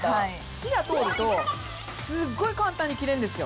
火が通るとすごい簡単に切れるんですよ。